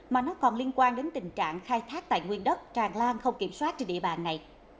mà nó còn liên quan đến tình trạng khai thác tài nguyên đất tràn lan không kiểm soát trên địa bàn này